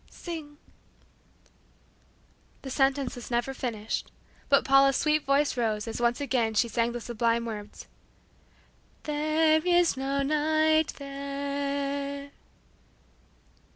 Sing " The sentence was never finished, but Paula's sweet voice rose, as once again she sang the sublime words: "There is no night there."